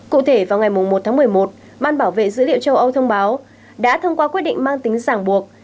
cụ thể vào ngày một tháng một mươi một ban bảo vệ dữ liệu châu âu thông báo đã thông qua quyết định mang tính giảng buộc